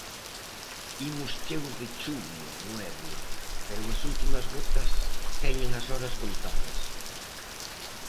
Imos cheos de chuvia, Noelia, pero as últimas gotas teñen as horas contadas...